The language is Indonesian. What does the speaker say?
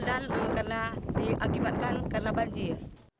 dan karena diakibatkan karena banjir